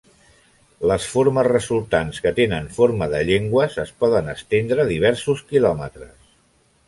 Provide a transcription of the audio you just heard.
Les formes resultants, que tenen forma de llengües, es poden estendre diversos quilòmetres.